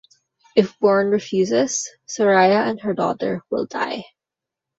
If Bourne refuses, Soraya and her daughter will die.